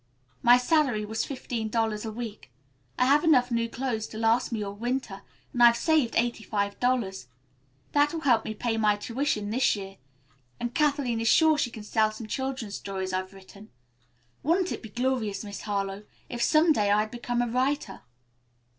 My salary was fifteen dollars a week. I have enough new clothes to last me all winter, and I've saved eighty five dollars. That will help pay my tuition this year, and Kathleen is sure she can sell some children's stories I've written. Wouldn't it be glorious, Miss Harlowe, if some day I'd become a writer?"